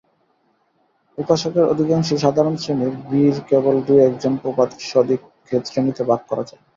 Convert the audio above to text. উপাসকের অধিকাংশই সাধারণ শ্রেণীর, বীর কেবল দু-একজন, উপাসকদিগকে শ্রেণীতে ভাগ করা চলে।